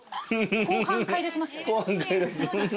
後半買いだしますよね。